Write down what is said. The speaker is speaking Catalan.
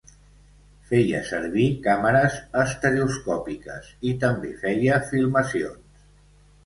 Feia servir càmeres estereoscòpiques i també feia filmacions.